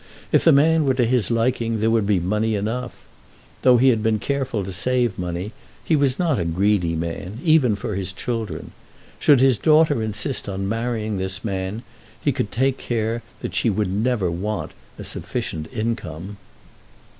If the man were to his liking there would be money enough. Though he had been careful to save money, he was not a greedy man, even for his children. Should his daughter insist on marrying this man he could take care that she should never want a sufficient income.